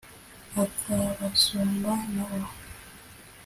akabasumba na bo!